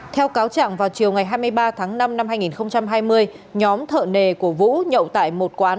theo cáo trạng vào chiều ngày hai mươi ba tháng năm năm hai nghìn hai mươi nhóm thợ nề của vũ nhậu tại một quán